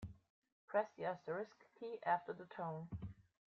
Press the asterisk key after the tone.